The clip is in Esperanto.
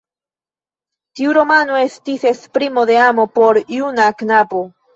Tiu romano estis esprimo de amo por juna knabo.